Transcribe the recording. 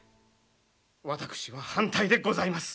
私は反対でございます。